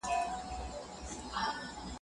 د پوهنې د مسؤلینو له خوا شفاف حساب نه ورکول کيدی..